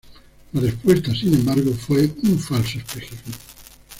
La respuesta, sin embargo, fue un falso espejismo.